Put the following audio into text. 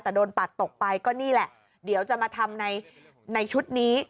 แต่โดนปัดตกไปก็นี่แหละเดี๋ยวจะมาทำในชุดนี้